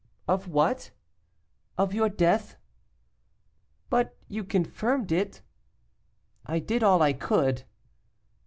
'Of what?' 'Of your death.' 'But you confirmed it?' 'I did all I could.